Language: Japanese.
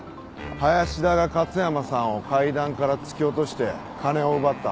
林田が勝山さんを階段から突き落として金を奪った。